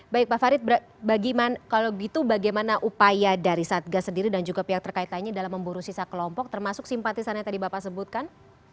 baik pak farid bagaimana kalau gitu bagaimana upaya dari satga sendiri dan juga pihak terkaitannya dalam memburu sisa kelompok termasuk simpatisannya tadi bapak sebutkan